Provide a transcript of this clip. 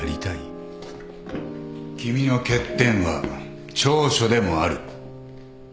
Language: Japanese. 君の欠点は長所でもある。